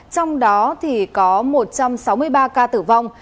trong đó có một trăm sáu mươi ba ca tử vong